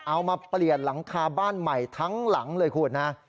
เอามาเปลี่ยนหลังคาบ้านใหม่ทั้งหลังเลยคุณนะ